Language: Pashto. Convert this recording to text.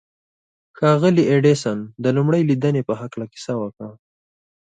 ښاغلي ايډېسن د لومړۍ ليدنې په هکله کيسه وکړه.